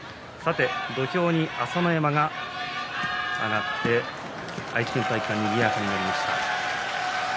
土俵に朝乃山が上がって愛知県体育館にぎやかになってきました。